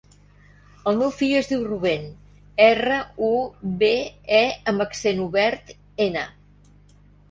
El meu fill es diu Rubèn: erra, u, be, e amb accent obert, ena.